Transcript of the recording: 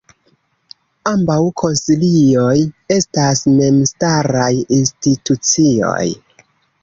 Ambaŭ konsilioj estas memstaraj institucioj.